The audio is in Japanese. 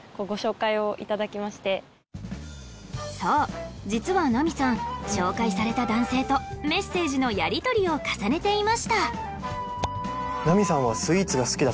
そう実はナミさん紹介された男性とメッセージのやり取りを重ねていました